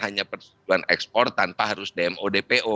hanya persetujuan ekspor tanpa harus dmo dpo